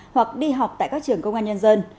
hoặc đi học tại các trường công an nhân dân